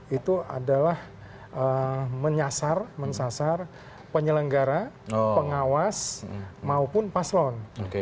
itu adalah menyasar penyelenggara pengawas maupun paslon